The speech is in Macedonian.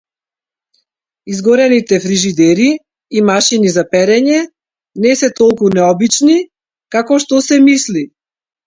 Изгорените фрижидери и машини за перење не се толку необични како што се мисли.